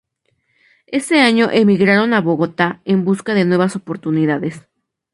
Ese año emigraron a Bogotá en busca de nuevas oportunidades.